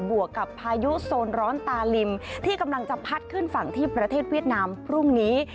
วกกับพายุโซนร้อนตาลิมที่กำลังจะพัดขึ้นฝั่งที่ประเทศเวียดนามพรุ่งนี้